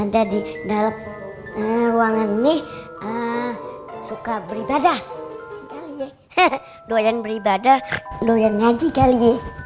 dalam ruangan nih suka beribadah doyan beribadah doyan ngaji kali